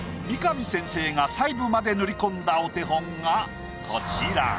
三上先生が細部まで塗り込んだお手本がこちら。